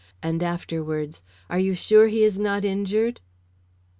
and afterwards: "Are you sure he is not injured?"